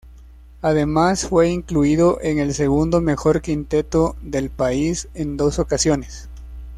Además, fue incluido en el segundo mejor quinteto del país en dos ocasiones.